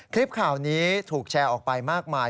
คลิปข่าวนี้ถูกแชร์ออกไปมากมาย